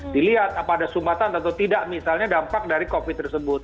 dilihat apa ada sumbatan atau tidak misalnya dampak dari covid tersebut